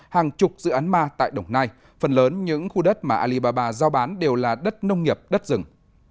hàng chục dự án ma tại đồng nai phần lớn những khu đất mà alibaba giao bán đều là đất nông nghiệp đất rừng